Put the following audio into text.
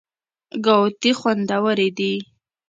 ګاوتې خوندورې دي.